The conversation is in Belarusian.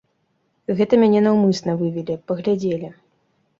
Гэта мяне наўмысна вывелі, паглядзелі.